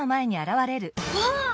わあ！